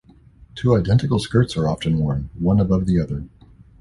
Two identical skirts are often worn, one above the other.